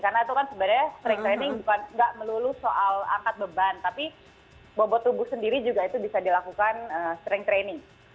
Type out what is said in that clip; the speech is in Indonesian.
karena itu kan sebenarnya strength training bukan melulu soal angkat beban tapi bobot tubuh sendiri juga itu bisa dilakukan strength training